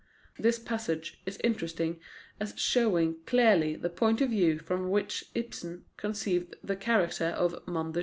This passage is interesting as showing clearly the point of view from which Ibsen conceived the character of Manders.